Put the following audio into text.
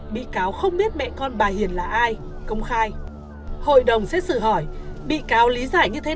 bị cáo không biết mẹ con bà hiền là ai công khai hội đồng xét xử hỏi bị cáo lý giải như thế